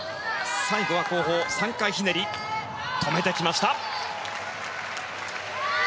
最後は後方３回ひねり止めてきました。